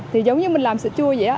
thì giống như mình làm sữa chua vậy